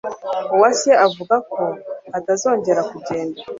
Uwase avuga ko atazongera kugenda.